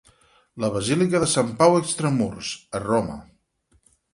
La basílica de Sant Pau extramurs, a Roma.